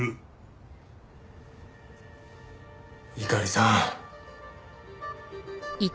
猪狩さん。